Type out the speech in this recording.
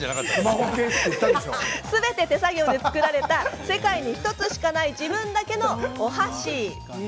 すべて手作業で作られた世界に１つしかない自分だけのお箸。